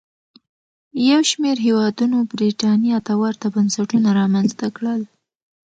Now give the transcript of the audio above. یو شمېر هېوادونو برېټانیا ته ورته بنسټونه رامنځته کړل.